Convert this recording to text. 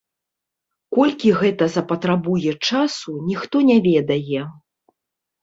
Колькі гэта запатрабуе часу, ніхто не ведае.